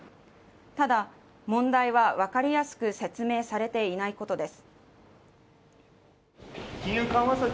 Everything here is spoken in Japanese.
ただ問題は分かりやすく説明されていないことです